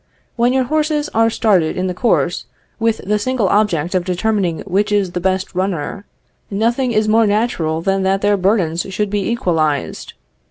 When your horses are started in the course with the single object of determining which is the best runner, nothing is more natural than that their burdens should be equalized.